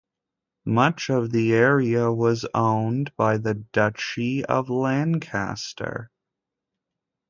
Much of the area was owned by the Duchy of Lancaster.